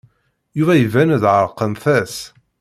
Yuba iban-d ɛerqent-as.